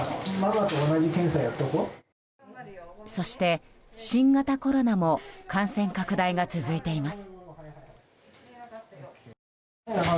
そして、新型コロナも感染拡大が続いています。